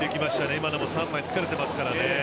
今のも３枚つかれていますからね。